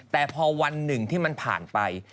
แต่พอวันหนึ่งที่มันผ่านไป